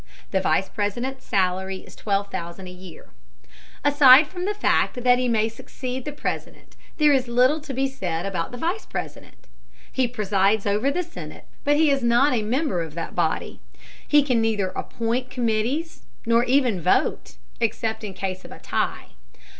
The Vice Presidents salary is $12,000 a year. Aside from the fact that he may succeed the President there is little to be said about the Vice President. He presides over the Senate, but he is not a member of that body. He can neither appoint committees, nor even vote, except in case of a tie.